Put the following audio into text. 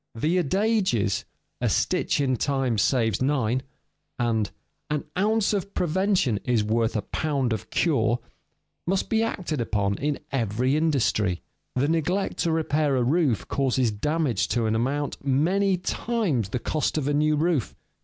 The adages, "A stitch in time saves nine," and "An ounce of prevention is worth a pound of cure," must be acted upon in every industry. The neglect to repair a roof causes damage to an amount many times the cost of a new roof.